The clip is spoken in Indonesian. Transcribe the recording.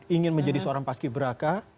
ingin menjadi seorang paski beraka